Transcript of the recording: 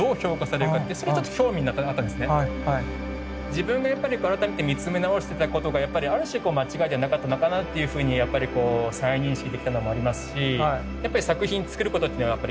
自分がやっぱり改めて見つめ直してたことがある種間違いではなかったのかなというふうにやっぱり再認識できたのもありますしやっぱり作品作ることっていうのは終わりは決してないので。